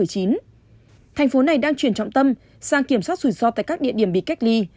thành phố này đang chuyển trọng tâm sang kiểm soát rủi ro tại các địa điểm bị cách ly